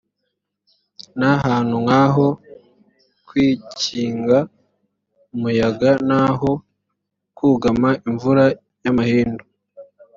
nta hantu nk aho kwikinga umuyaga naho kugama imvura y amahindu